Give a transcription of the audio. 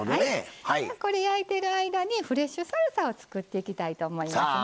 焼いてる間にフレッシュサルサを作っていきたいと思いますね。